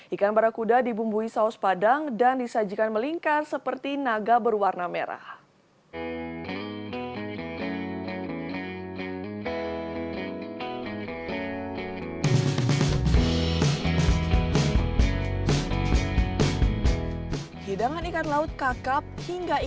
ikan barakuda dibumbui saus padang dan disajikan melingkar seperti naga berwarna merah